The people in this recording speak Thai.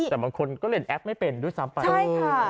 แต่บางคนก็เล่นแอปไม่เป็นด้วยซ้ำไป